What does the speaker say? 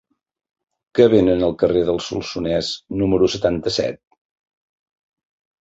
Què venen al carrer del Solsonès número setanta-set?